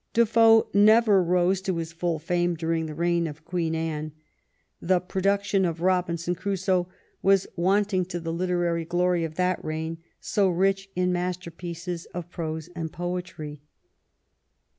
Defoe never rose to his full fame during the reign of Queen Anne. The production of Robinson Crusoe was want ing to the literary glory of that reign, so rich in master pieces of prose and poetry.